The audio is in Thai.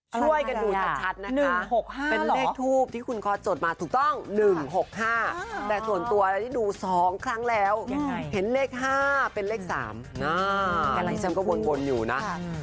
ช่วยกันดูชัดนะคะ๖๕เป็นเลขทูปที่คุณคอร์สจดมาถูกต้อง๑๖๕แต่ส่วนตัวอะไรที่ดู๒ครั้งแล้วเห็นเลข๕เป็นเลข๓อันนี้ฉันก็วนอยู่นะ